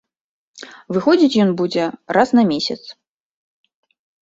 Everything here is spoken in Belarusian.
Выходзіць ён будзе раз на месяц.